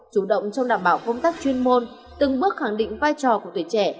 chủ động trong đảm bảo công tác chuyên môn từng bước khẳng định vai trò của tuổi trẻ